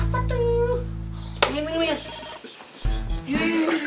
pengen siapa tuh